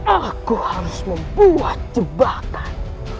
aku harus membuat jebakan